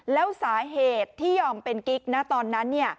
แล้วสาเหตุที่ยอมเป็นกิ๊กนะตอนนั้น